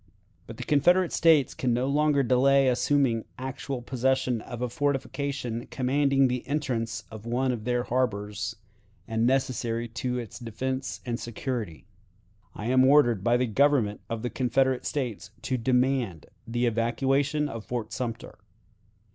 "But the Confederate States can no longer delay assuming actual possession of a fortification commanding the entrance of one of their harbors, and necessary to its defense and security. "I am ordered by the Government of the Confederate States to demand the evacuation of Fort Sumter.